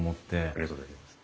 ありがとうございます。